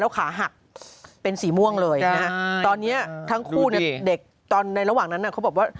แล้วขาหักเป็นสีม่วงเลยตอนนี้ทั้งคู่เด็กในระหว่างนั้นเขาบอกว่า